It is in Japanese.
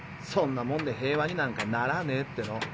そんなもんで平和になんかならねえっての。